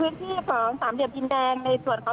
แล้วก็อยู่หลังแนวของทางตำรวจค่ะ